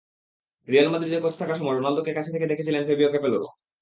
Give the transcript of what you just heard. Real মাদ্রিদে coach থাকার সময় রোনালদোকে কাছ থেকে দেখেছিলেন ফাবিও ক্যাপেলোর।